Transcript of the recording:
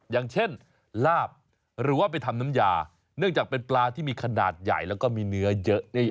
อย่างเช่นลาบหรือว่าไปทำน้ำยาเนื่องจากเป็นปลาที่มีขนาดใหญ่แล้วก็มีเนื้อเยอะ